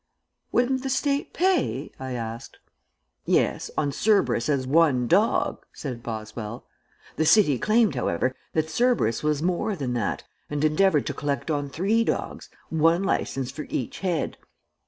"Wouldn't the State pay?" I asked. "Yes on Cerberus as one dog," said Boswell. "The city claimed, however, that Cerberus was more than that, and endeavored to collect on three dogs one license for each head.